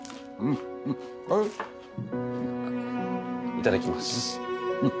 あっいただきます。